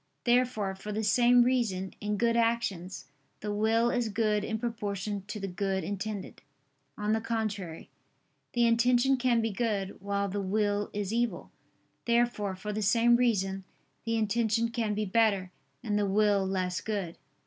Therefore, for the same reason, in good actions, the will is good in proportion to the good intended. On the contrary, The intention can be good, while the will is evil. Therefore, for the same reason, the intention can be better, and the will less good.